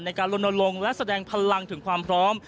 การลนลงและแสดงพลังถึงความพร้อม